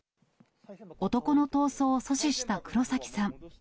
男の逃走を阻止した黒崎さん。